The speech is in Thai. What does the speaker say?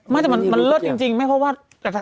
มันเลิศจริงไม่เพราะว่า